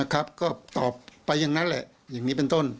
ก็ตอบไปอย่างนั้นแหละอย่างนี้เป็นต้น